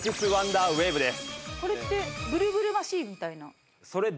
これってブルブルマシンみたいな？